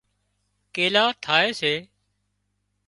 ڪيلا ٿائي سي